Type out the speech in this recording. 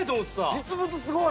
実物すごい！